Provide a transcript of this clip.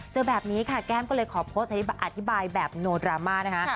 เจอแบบนี้ค่ะแก้มก็เลยขอโพสต์อธิบายแบบโนดราม่านะคะ